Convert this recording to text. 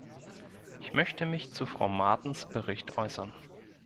Ich möchte mich zu Frau Martens Bericht äußern.